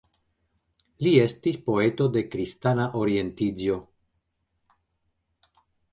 Li estis poeto de kristana orientiĝo.